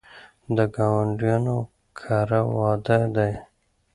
د ګاونډیانو کره واده دی